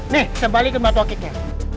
nih saya balikin batu akiknya